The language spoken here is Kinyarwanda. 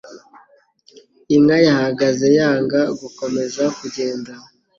Inka yahagaze yanga gukomeza kugenda